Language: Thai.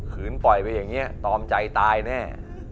ืนปล่อยไปอย่างนี้ตอมใจตายแน่